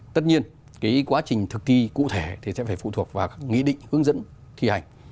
tất nhiên quá trình thực kỳ cụ thể thì sẽ phải phụ thuộc vào nghị định hướng dẫn thi hành